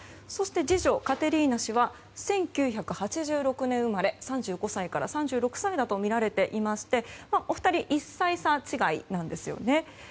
そして、次女カテリーナ氏は１９８６年生まれ３５歳から３６歳だとみられていましてお二人、１歳違いなんですね。